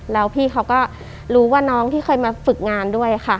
แล้วพี่เขาก็รู้ว่าน้องที่เคยมาฝึกงานด้วยค่ะ